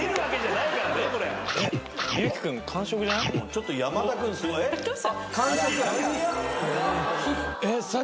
ちょっと山田君すごいえっ？